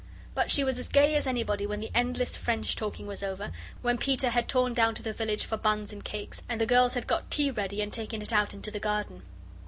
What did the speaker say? But she was as gay as anybody when the endless French talking was over, when Peter had torn down to the village for buns and cakes, and the girls had got tea ready and taken it out into the garden.